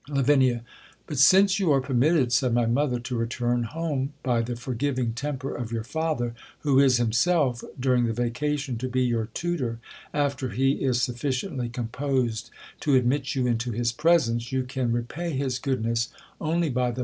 Lav. But since you are permitted, said my mother, to return home, by the forgiving temper of your father, who is_ himself, during the vacation, to be your tutor, after he is sufficiently composed to admit you into hi^ presence, you can repay his goodness only by the m.